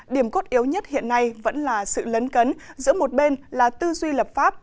điểm cốt yếu nhất hiện nay vẫn là sự lấn cấn giữa một bên là tư duy lập pháp